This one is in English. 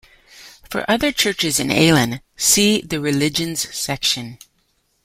For other churches in Aalen, see the Religions section.